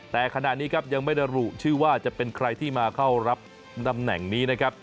แต่ขณะนี้ครับยังไม่ได้ระบุชื่อว่าจะเป็นใครที่มาเข้ารับตำแหน่งนี้นะครับ